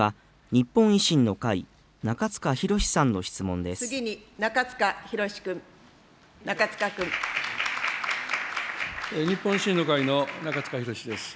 日本維新の会の中司宏です。